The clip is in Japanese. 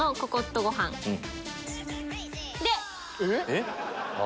えっ！